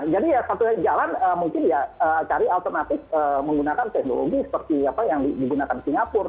jadi ya satu jalan mungkin ya cari alternatif menggunakan teknologi seperti yang digunakan di singapura